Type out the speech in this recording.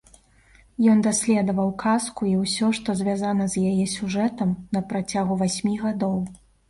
Ён даследаваў казку і ўсё, што звязана з яе сюжэтам, на працягу васьмі гадоў.